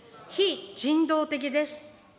非人道的です。